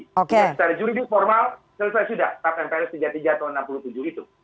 secara juridis formal selesai sudah tap mpr tiga puluh tiga tahun seribu sembilan ratus enam puluh tujuh itu